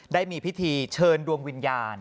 ได้มีพิธีเชิญดวงวิญญาณ